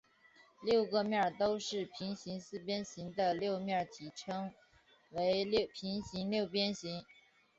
六个面都是平行四边形的六面体称为平行六面体。